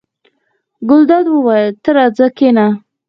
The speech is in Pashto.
ګلداد وویل: ته راځه کېنه.